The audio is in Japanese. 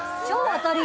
当たり！